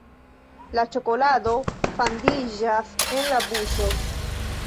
La ĉokolado fandiĝas en la buŝo.